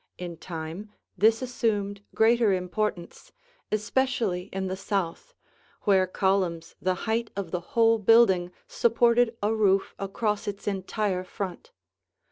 In time, this assumed greater importance, especially in the south, where columns the height of the whole building supported a roof across its entire front.